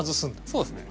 そうですね。